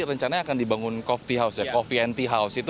rencananya akan dibangun kofti house ya kofienti house